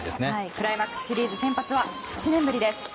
クライマックスシリーズ先発は７年ぶりです。